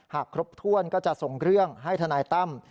หากครบถ้วนก็จะส่งเรื่องให้ทนายตั้ม